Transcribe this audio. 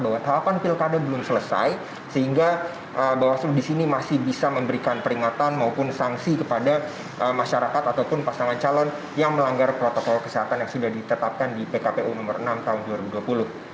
bahwa tahapan pilkada belum selesai sehingga bawaslu disini masih bisa memberikan peringatan maupun sanksi kepada masyarakat ataupun pasangan calon yang melanggar protokol kesehatan yang sudah ditetapkan di pkpu nomor enam tahun dua ribu dua puluh